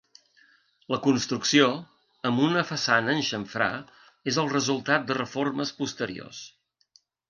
La construcció, amb una façana en xamfrà, és el resultat de reformes posteriors.